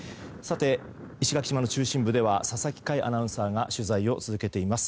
石垣島の中心部では佐々木快アナウンサーが取材を続けています。